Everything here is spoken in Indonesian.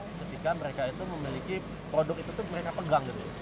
ketika mereka itu memiliki produk itu mereka pegang